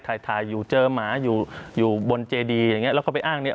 ถ่ายถ่ายอยู่เจอหมาอยู่อยู่บนเจดีอย่างเงี้แล้วก็ไปอ้างเนี่ย